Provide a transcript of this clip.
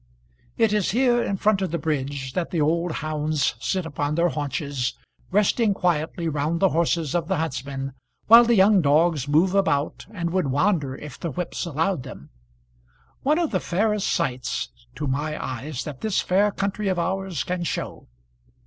It is here, in front of the bridge, that the old hounds sit upon their haunches, resting quietly round the horses of the huntsmen, while the young dogs move about, and would wander if the whips allowed them one of the fairest sights to my eyes that this fair country of ours can show.